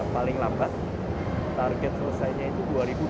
paling lambat target selesainya itu dua ribu dua puluh